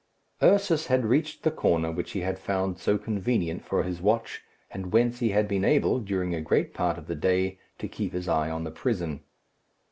Ursus had reached the corner which he had found so convenient for his watch, and whence he had been able, during a great part of the day, to keep his eye on the prison.